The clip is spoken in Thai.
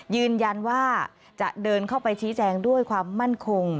ยืนยันว่าจะเดินเข้าไปชี้แจงด้วยความมั่นคง